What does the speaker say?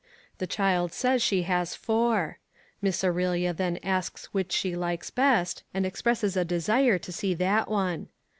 The child says she has four. Miss Aurelia then asks which she likes best, and expresses a desire to see that one.